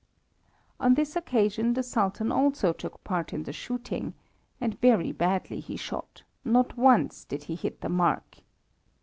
On this occasion the Sultan also took part in the shooting; and very badly he shot, not once did he hit the mark.